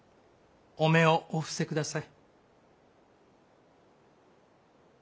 お目をお伏せ下さい。